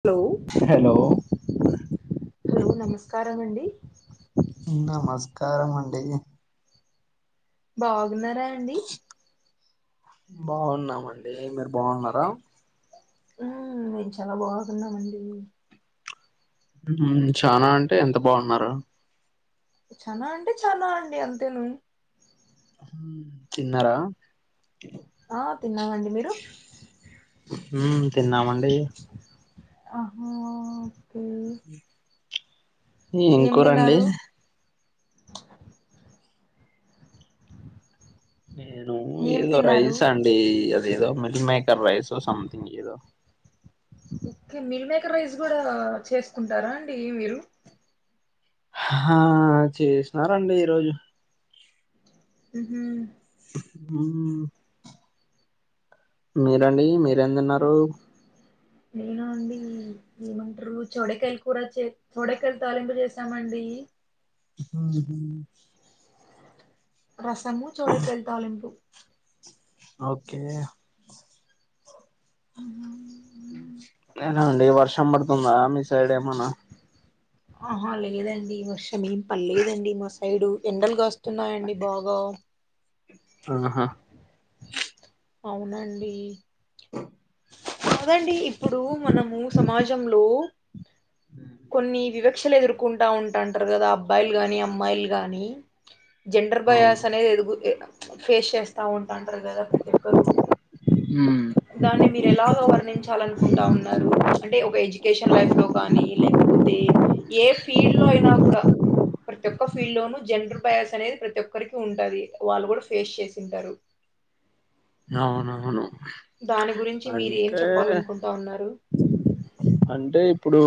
Hello hello hello నమస్కారం అండి నమస్కారం అండి బాగున్నారా అండి బాగున్నామండి మీరు బాగున్నారా ఉమ్ మేము చాలా బాగుగున్నామండి ఉ చానా అంటే ఎంత బాగున్నారు చానా అంటే చానా అండి అంతేను్ హు తిన్నారా ఆ తిన్నామండి మీరు ఉ తిన్నామండి ఆహా ఓకే ఏం కూరండి నేను ఏం ఏదో తిన్నారు రైస్ అండి అదేదో మిల్క్ మేకర్ రైస్ సథింగ్ ఏదో ఓకే మిల్ మేకర్ రైస్ కూడా చేసుకుంటారా అండి మీరు ఆ చేసినారండి ఈరోజు ఉహు మీరండి మీరేం తిన్నారూ నేనా అండి మీరు ఏమంటరు చోడకాయల కూర చే చోడకాయ తాలింపు చేసామండీ ఉహు ఊహు రసము చోడకయల తాలింపు ఓకే ఊహు ఊ నేన అండి వర్షం పడుతుందా మీ సైడ్ ఏమన్న ఆహా లేదండి వర్షమేం పలేదండి మా సైడు ఎండలు గాస్తున్నాయండి బాగా ఆహా అవునండీ [inaudible] కాదండి ఇప్పుడు మనము సమాజంలో కొన్ని వివక్షలు ఎదుర్కొంట ఉంటుంటారు కదా అబ్బాయిలు గాని అమ్మాయిలు గాని జెండర్ అవును బయాస్ అనేది ఎదుగు ఆ ఫేస్ చేస్తా ఉంటంటరు కదా ప్రతి ఒక్కరూ ఊ దాన్ని మీరు ఎలాగ వర్ణించాలనుకుంటా ఉన్నారు అంటే ఒక ఎడ్యుకేషన్ లైఫ్ లో కానీ లేకపోతే ఏ ఫీల్డ్ లో అయినా కూడా ప్రతి ఒక్క ఫీల్డ్ లోనూ జెండర్ బయస్ అనేది ప్రతి ఒక్కరికి ఉంటది వాళ్ళు కూడా ఫేస్ చేసింటారు అవునవును దాని గురించి మీరు ఏం అంటే చెప్పాలనుకుంటా ఉన్నారు అంటే ఇప్పుడు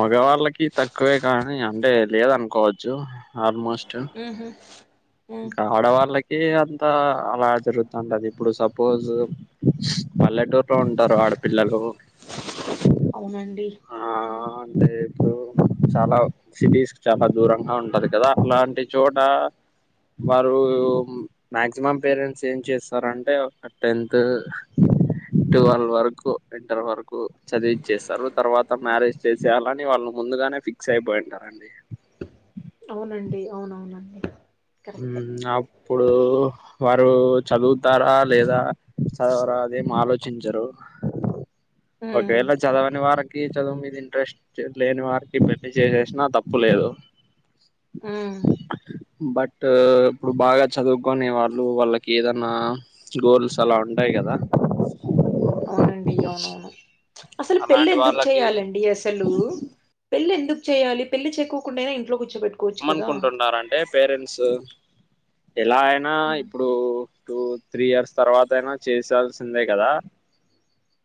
మగవాళ్ళకి తక్కువే గానీ అంటే లేదనుకోవచ్చు ఆల్మోస్ట్ ఊహు ఇంక ఆడవాళ్ళకి అంత అలా జరుగుతండది ఇప్పుడు సపోజు పల్లెటూరులో ఉంటారు ఆడపిల్లలు అవునండి ఆ మ్, అంటే ఇప్పుడు చాలా సిటీస్ కి చాలా దూరంగా ఉంటది కదా అట్లాంటి చోట వారు మాక్సిమం పేరెంట్స్ ఏం చేస్తారంటే టెన్త్ ట్వెల్వ్ వరకు ఇంటర్ వరకు చదివిచ్చేసారు తర్వాత మ్యారేజ్ చేసేయాలని వాళ్ళు ముందుగానే ఫిక్స్ అయిపోయింటారండి అవునండి అవునవునండి ఊ కరెక్టే అప్పుడు వారు చదువుతారా లేదా చదవరా అదేం ఆలోచించరు ఉ ఓకవేళ చదవనీ వారక్ ఏ చదువు మీద ఇంట్రెస్ట్ లేని వారికి పెళ్లి చేసేసినా తప్పు లేదు ఉ బట్ ఇప్పుడు బాగా చదువుకునే వాళ్ళు వాళ్ళకి ఏదన్నా గోల్స్ అలా ఉంటాయి గదా అవునండి అవునవును అసలు పెళ్ళి అలాంటి ఎందుక్ వాళ్ళకి చేయాలండి అసలూ పెళ్లి ఎందుకు చేయాలి పెళ్ళి చేకోకుండా ఇంట్లో కూర్చోపెట్టు ఎమనుకుంటున్నారంటే పేరెంట్స్ ఎలా అయినా ఆ, ఇప్పుడు టూ త్రీ ఇయర్స్ తర్వాత అయినా చేసే యాల్సిందే గదా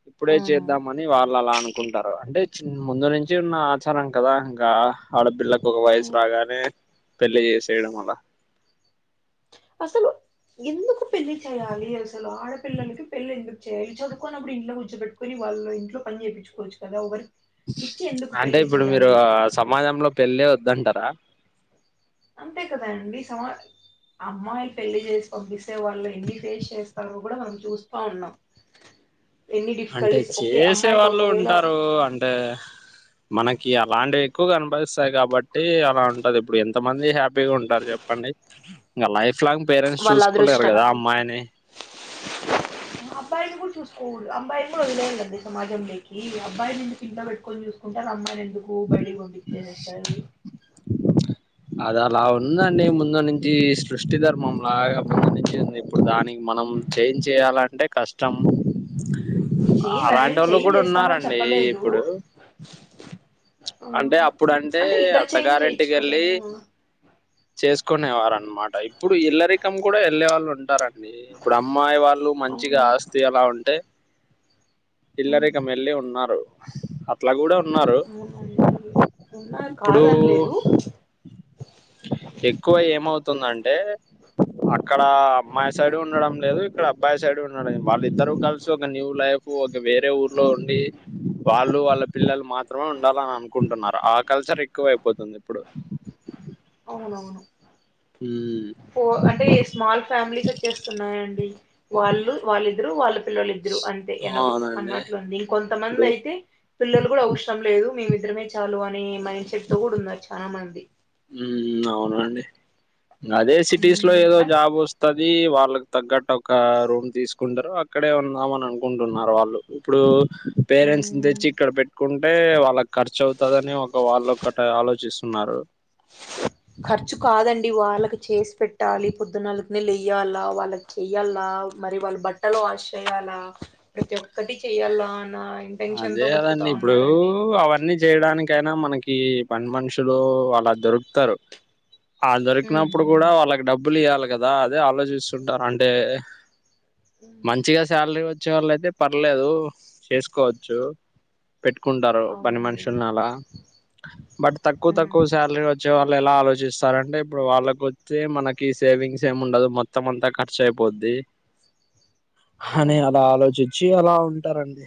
ఇప్పుడే అవును చేద్దామని అనీ వాళ్ళు అలా అనుకుంటారు అంటే చిన్ ముందు నుంచి ఉన్నా ఆచారం కదా ఇంకా ఆడపిల్లకు ఒక ఆ, వయసు రాగానే పెళ్లి చేసేయడం అలా అసలు ఎందుకు పెళ్లి చేయ్యాలి అసలు ఆడపిల్లలకి పెళ్లి ఎందు చేయలి చదువుకోన్నప్పుడు ఇంట్లో కూర్చో బెట్టుకొని వాళ్ళ ఇంట్లో పని చేపికోవచ్చు కదా వర్క్ ఇచ్చి ఎందుకు అంటే పెళ్లి ఇప్పుడు మీరు చేయ్యాలి సమాజంలో పెళ్ళే వద్దంటరా అంతే కదా అండి సమా అమ్మాయి పెళ్లి చేసి పంపిసే వాళ్ళు ఎన్ని ఫేస్ చేస్తారో కూడ మనం చూస్తా ఉన్నాం ఎన్ని అంటే డిఫికల్టీస్ ఓకే అమ్మాయికి ఒకవేళ తె మనకి అలాంటివి ఎక్కువ కనపడిస్తాయి కాబట్టి అలా ఉంటది ఇప్పుడు ఎంత మంది హ్యాపీగా ఉంటారు చెప్ పండి ఇంకా లైఫ్ లాంగ్ పేరెంట్స్ వాళ్ళ చూసుకోలేరు అదృష్టం కదా అమ్మాయిని అబ్బాయిని కూడా చూసుకోకూడదు అబ్బాయిని కూడా వదిలేయండి సమాజంంలోకి అబ్బాయిని ఎందుకు ఇంట్లో పెట్టుకొని చూసుకో కుంటారు అమ్మాయిని ఎందుకు బయటికి పంపించేసేస్తారని అది అలా ఉందండి ముందు నుంచి సృష్టి ధర్మం లాగ ముందు నుంచి ఉంది దానికి మనం చేంజ్ చేయాలంటే కష్టం చేయి అలాంటి మనం వాళ్ళు చేంజ్ కూడ చేస్తామని ఉన్నారండి చెప్పలేదు ఇప్పుడు అంటే అప్పుడంటే అంటే ఇంటర్చేంజ్ చేయొచ్చు అత్తగారింటికి కదా వెళ్లి చేసుకునే వారు అనమాట ఇప్పుడు ఇల్ళ్లరికం కూడ వెళ్ళే వాళ్ళు ఉంటారండి ఇప్పుడు అమ్మాయి వాళ్ళు మంచిగా అవును ఆస్ తి అలా ఉంటే ఇల్లరికం ఎల్లి ఉన్నారు అట్లా కూడ ఉన్నా అవునండి ఉన్నారు ఇప్పుడు కాదనలేదు ఎక్కువ ఏమవుతుంది అంటే అక్కడ అమ్మాయి సైడ్ ఉండడం లేదు ఇక్కడ అబ్బాయి సైడ్ ఉండడం వాళ్ళ ఇద్దరు కలిసి ఒక న్యూ లైఫ్ క వేరే ఊర్లో ఉండి వాళ్ళు వాళ్ళ పిల్లలు మాత్రమే ఉండాలని అనుకుంటున్నారు ఆ కల్చర్ ఎక్కువ అయిపోతుంది ఇప్పుడు అవునవును ఉమ్ ఫో అంటే స్మాల్ ఫ్యామిలీస్ వచ్చేస్తున్నాయండి వాళ్ళు వాళ్ళిద్దరు వాళ్ళ పిల్లలు ఇద్దరు అంతే ఎన్నఫ్ అవునండి అన్నట్లు ఉంది ఇంకొంతమంది ఇప్పుడు అయితే పిల్లలు కూడా అవసరం లేదు మేమిద్దరమే చాలు అనె మైండ్ సెట్ తో కూడా ఉన్నారు చానమంది ఉ అవునండి అదే సిటీస్ లో ఉమ్, ఏదో అంటే జాబ్ వస్ తది వాళ్ళకి తగ్గట్టు ఒక రూమ్ తీసుకుంటారు అక్కడే ఉందాం అని అనుకుంటున్నారు వాళ్ళు ఇప్పుడు పేరెంట్స్ నీ ఉమ్, తెచ్చి ఇక్కడ పెట్టుకుంటే వాళ్ళకు ఖర్చు అవుతదని ఒక వాళ్ళు ఒకటె ఆలోచిస్తున్నారు ఖర్చు కాదండి వాళ్ళకి చేసి పెట్టాలి పొద్దునాలకనే లేయ్యాలా వాళ్ళకి చెయ్యాల మరి వాళ్ళు బట్టలు వాష్ చేయాలా ప్రతి ఒక్కటి చెయ్యాల్ న అదే కదా అండీ ఇప్పుడూ అవన్నీ చేయడానికి అయినా మనకి పని మనుషులు అలా దొరుకుతారు ఆ ఉమ్, దొరికినప్పుడు కూడా ఉమ్, వాళ్ళకి డబ్బు డబ్బులు ఇయాలి కదా అదే ఆలోచిస్తుంటారు అండే ఉమ్, మంచిగా శాలరీ వచ్చే వాళ్ళు అయితే పర్లేదు కోవచ్చు పెట్టుకుంటారు పని అవునండి మనుషుల అలా బట్ తక్కువ ఉమ్, తక్కువ శాలరీ వచ్చే వాళ్ళు ఎలా ఆలోచిస్తారు అంటే ఇప్పుడు వాళ్ళకి వచ్చే మనకి సేవింగ్స్ ఏమి ఉండదు మొ మొత్తం అంతా ఖర్చు అయిపోద్ది అని అవును అలా ఆలోచించి అలా ఉంటారండి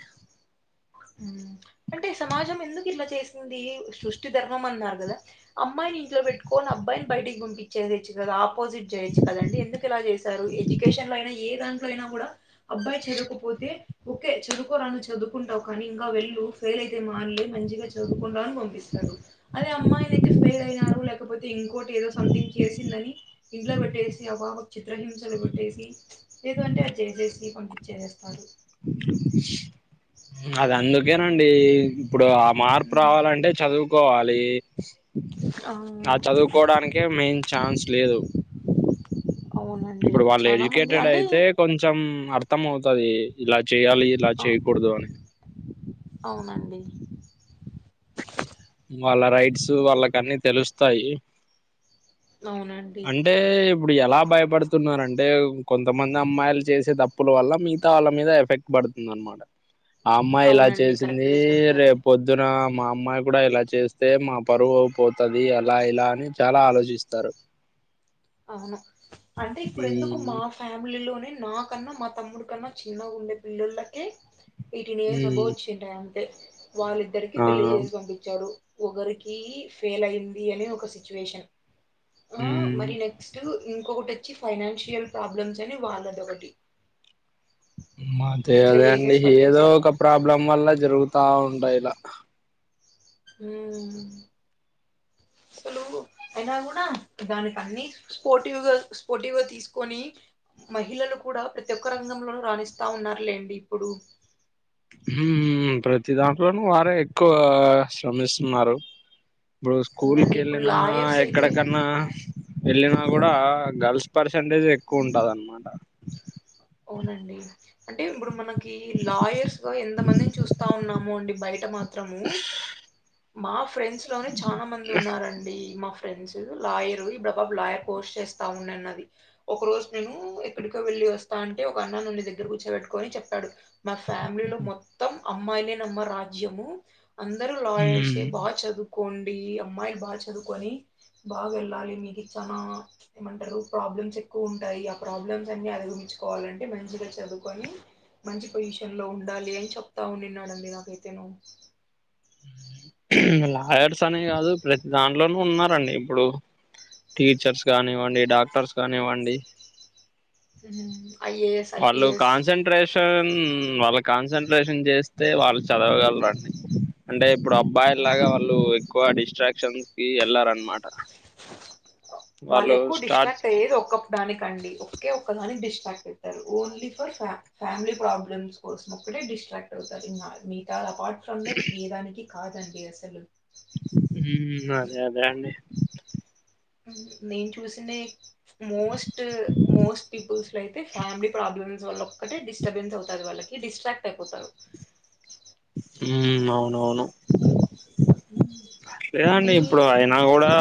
అంటే సమాజం ఎందుకు ఇట్లా చేసింది సృష్టి ధర్మం అన్నారు కదా అమ్మాయిని ఇంట్లో పెట్టుకొని అబ్బాయిని బయటికి పంపించే చేయచ్చు కదా ఆపోజిట్ చేయొచ్చు కాదండి ఎందుకు ఇలా చేశారు ఎడ్యుకేషన్ లో అయినా ఏ దాంట్లో అయినా కూడా అబ్బాయి చదువుకపోతే ఓకే చదువుకోరా అన్ చదు చదువుకుంటావు కానీ ఇంకా వెళ్ళు ఫెయిల్ అయితే మానలే మంచిగా చదువుకుంటావు అని పంపిస్తారు అదే అమ్మాయిని అయితే ఫెయిల్ అయినారు లేకపోతే ఇంకోటి ఏదో సమ్థింగ్ చేసిందని ఇంట్లో పెట్టేసి ఆ పాప చిత్రహింసలు పెట్టేసి లేదు అంటే అది చేసేసి పంపించేసేస్తారు అది అందుకేనండి ఇప్పుడు ఆ మా ప్పు ఉమ్. రావాలంటే చదువుకోవాలి ఆ చదువుకోవడానికే మెయిన్ ఛాన్స్ లేదు అవునండి ఇప్పుడు వాళ్ళు చాలా మంది ఎడ్యుకేటెడ్ అంటే అయితే కొంచెం అర్థం అవుతది ఇలా చేయాలి ఇలా అ చేయ్యకూడదు అని అవునండి వాళ్ళ రైట్స్ వాళ్ళకు అన్ని తెలుస్తాయి అవునండి అంటే ఇప్పుడు ఎలా భయపడుతున్నారంటే కొంతమంది అమ్మాయిలు చేసే తప్పు ప్పుల వల్ల మిగతా వాళ్ళ మీద ఎఫెక్ట్ పడుతుంది అనమాట ఆ అమ్మాయి ఇలా అవునండి చేసింది కరెక్ట్ గా చెప్పారు రేప్ పొద్దున మా అమ్మాయి కూడా ఇలా చేస్తే మా పరువు పోతది అలా ఇలా అని చాలా ఆలోచిస్తారు అవును అంటే ఇప్పుడు ఎందుకు ఉమ్ మాఫ్ ఫ్యామిలీలోనే నాకన్నా మా తమ్ముడి కన్నా చిన్నగా ఉండే పిల్లలకే ఎయిటీన్ ఇయర్ ఏబో ఉమ్ వచ్చింటాయ్ అంతే వాళ్ళిద్దరికి ఆ పెళ్లి చేసి పంపించారు ఒకరికి ఫెయిల్ అయింది అని ఒక సిచ్యువేషన్ ఆ ఉమ్ మరి ఇన నెక్స్ట్ ఇంకొకటి వచ్చి ఫైనాన్షియల్ ప్రాబ్లమ్స్ అని వాళ్ళది ఒకటి మాఅత్త ఇట్లా అదే అండి చేసేసి ఏదో పట్టేశారు ఒక ప్రాబ్లం వల్ల జరుగుతా ఉంటాయి ఇలా హుమ్ అసలు అయినా కూడా దానికి అన్ని స్పోర్టివ్ గా స్పోర్టివ్గా తీసుకొని మహిళలు కూడా ప్రతి ఒక్క రంగంలోనూ రాణిస్తా ఉన్నారులేండి ఇప్పుడు హు ప్రతి దాంట్లోనూ వారే ఎక్కువ శ్రమిస్తున్నారు ఇప్పుడు స్కూల్ అవునండి ఇప్పుడు కెళ్ళిన లాయర్స్ అయితే ఎక్కడకన్నా వెళ్ళిన గుడా గర్ల్స్ పర్సంటేజ్ ఎక్కువ ఉమ్, ఉంటదన్నమాట అవునండి అంటే ఇప్పుడు మనకి కి లాయర్స్ లో ఎంత మందిని చూస్తా ఉన్నాము అండి బయట మాత్రము మా ఫ్రెండ్స్ లోనే చాలా మంది ఉన్నారండి మా ఫ్రెండ్స్ లాయర్ ఇప్పు ఆ బాబు లాయర్ కోర్స్ చేస్తా ఉన్నాన్నది ఒక రోజు నేను ఎక్కడికో వెల్లీ వస్తాంటే ఒక అన్న నన్ను దగ్గర కూర్చోబెట్టుకొని చెప్పాడు మా ఫ్యామిలీ లో మొత్తం అమ్మాయి లేనమ్మ రాజ్యము అందరు లా చెసి హ్మ్ బా చదువుకోండి అమ్మాయిలు బాగా చదువుకొని బాగా వెళ్ళాలి మీకిచ్చానా ఏమంటారు ప్రాబ్లమ్స్ ఏక్ క్కువ ఉంటాయి ఆ ప్రాబ్లమ్స్ అన్ని అధిగమించుకోవాలంటే మంచిగా చదువుకొని మంచి పొజిషన్ లో ఉండాలి అని చెప్తావు నిన్నాడండి నాకైతేను మ్ లాయర్స్ అనే కాదు ప్రతి దాంట్లోనూ ఉన్నారండి ఇప్పుడు. టీచర్స్ కానివ్వండి, డాక్టర్స్ కానివ్వండి. ఐఏఎస్, ఐపిఎస్ టెన్ వాళ్ళ కాన్సన్ట్రేషన్ చేస్తే వాళ్ళు చదవగలరండి అంటే ఇప్పుడు అప్ బాయ్ లాగా అవునండి వాళ్ళు ఎక్కువ డిస్ట్రాక్షన్స్ కి ఏళ్ళారన్నమాట వాళ్ళ ఎక్కువ స్టార్ట్ డిస్ట్రాక్ట్ అయ్యేది ఒక దానికండి ఒకే ఒక దానికి డిస్ట్రాక్ట్ ఐతారు ఓన్లీ ఫర్ ఫ ఫ్యామిలీ ప్రాబ్లమ్స్ కోసినప్పుడే డిస్ట్రాక్ట్ అవుతది ఇగ మిగతా అపార్ట్ ఫ్రమ్ దట్ ఏ దానికి కాదండి అసలు. మ్ అదే అదే అండి నేను చూసినై మోస్ట్ మోస్ట్ పీపుల్స్ ఇట్లయితే ఫ్యామిలీ ప్రాబ్లమ్స్ వల్ల ఒక్కటే డిస్టబెన్స్ అవుతది. వాళ్ళకి డిస్ట్రాక్ట్ అయిపోతారు. ఊ అవునావును లేదండి మీ ఇప్పుడు అయినా కూడా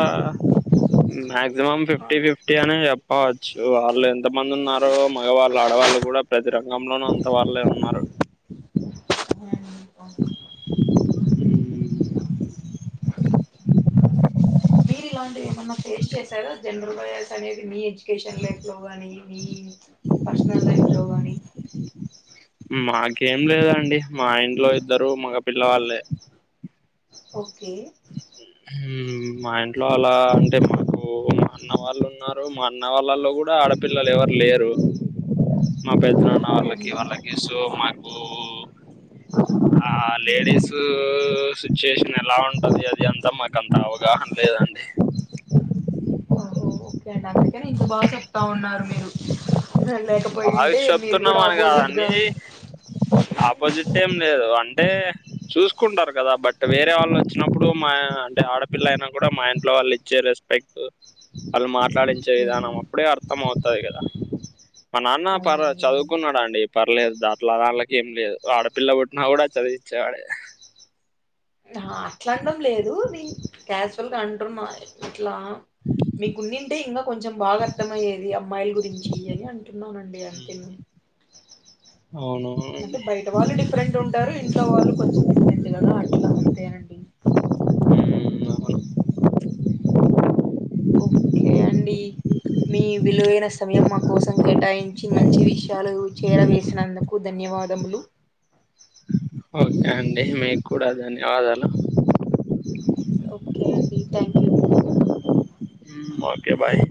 మాక్సిమం ఆ, ఫిఫ్టీ ఫిఫ్టీ అని చెప్పవచ్చు వాళ్ళు ఎంత మంది ఉన్నారు ప్పుడు మగవాళ్ళు ఆడవాళ్ళు కూడా ప్రతి రంగంలోనూ అంత వాళ్లే ఉన్నారు. [unintelligible] అ అదే మీరు ఇలాంటివి ఏమన్నా ఫేస్ చేసారా జనరల్ వస్ అనేది మీ ఎడ్యుకేషన్ లైఫ్ లో గానీ మీ పర్సనల్ లైఫ్ లోగాని మాకేం లేదండి మా ఇంట్లో ఇద్దరు మగ పిల్లవాళ్ళే ఓకే మా ఇంట్లో అలా అంటే మా ఓ మా అన్న వాళ్ళు ఉన్నారు మా అన్న వాళ్ళల్లో కూడా ఆడపిల్లలు ఎవరు లేరు. [inaudible] మా ఓకే పెద్దనాళ్ళకి అండి వాళ్ళకి సో మా ఆ లేడీస్ సిచ్యుయేషన్ ఎలా ఉంటది అది అ త మాకు అంత అవగాహన లేదండి ఓహో ఓకే అండి అందుకని ఇంత బాగా చెప్తా ఉన్నారు మీరు. బాగా లేకపోయింటే మీరు కూడా చెప్తున్నాం అని ఆపోజిట్గా కాదండి ఆపోజిట్ ఏం లేదు అంటే చూసుకుంటారు కదా, బట్ వేరే వాళ్ళు వచ్చినప్పుడు మా. టే ఆడపిల్ల అయినా కూడా మా ఇంట్లో వాళ్ళు ఇచ్చే రెస్పెక్ట్ [inaudible] వాళ్ళు మాట్లాడించే ఉమ్, విధానం అప్పుడే అర్థం అవుతది కదా మా నాన్న పర అవునవునులేండి చదువుకున్నాడండి పర్లేదు దాంట్లో వాళ్ళకి ఏం లేదు ఆడపిల్ల పుట్టిన కూడా చదివిచ్చేవాడే హ అట్లానడం లేదు నేను క్యాజువల్గా అంటున్నా అట్లా మీ గుండింటే ఇంకా కొంచెం బాగా అర్థమయ్యేది అమ్మాయిల గురించి అని అం విన్నానండి అంతేను అవును అంటే బయట వాళ్ళు డిఫరెంట్ ఉంటారు ఇంట్లో వాళ్ళు కొంచెం డిఫరెంట్ కదా అట్లా అంతేనండి. అవును ఓకే అండి మీ విలువైన సమయం మా కోసం కే కేటాయించి మంచి విషయాలు చేరవేసినందుకు ధన్యవాదములు ఓకే అండి మీకు కూడా ధన్యవాదాలు ఓకే అండి థ్యాంక్ యూ ఓకే బాయ్